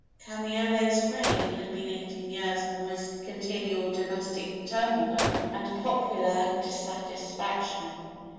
Kamaiole's reign had been eighteen years of almost continual domestic turmoil and popular dissatisfaction.